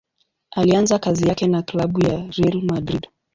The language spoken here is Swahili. Alianza kazi yake na klabu ya Real Madrid.